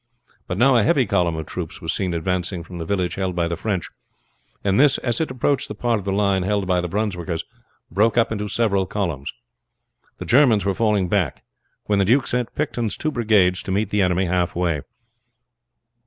But now a heavy column of troops was seen advancing from the village held by the French; and this, as it approached the part of the line held by the Brunswickers, broke up into several columns. The Germans were falling back, when the duke sent Picton's two brigades to meet the enemy halfway.